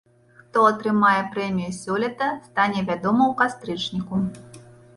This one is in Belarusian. Хто атрымае прэмію сёлета, стане вядома ў кастрычніку.